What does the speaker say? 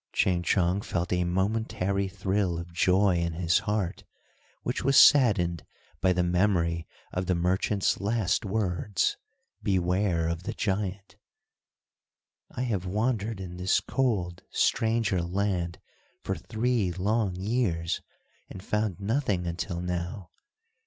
Ching Chong felt a momentary thrill of joy in his heart, which was saddened by the memory of the merchant's last words, "beware of the giant." "I have wandered in this cold, stranger land for three long years, and found nothing until now.